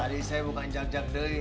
jadi saya bukan jak jak doi